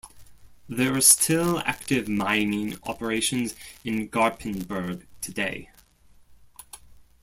There are still active mining operations in Garpenberg today.